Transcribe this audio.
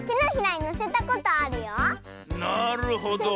なるほど。